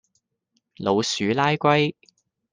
老鼠拉龜